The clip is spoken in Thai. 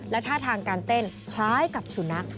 และท่าทางการเต้นคล้ายกับสุนัข